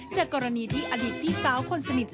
จากกรณีที่อดีตพี่สาวคนสนิท